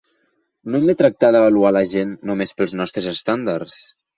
No hem de tractar d'avaluar a la gent només pels nostres estàndards.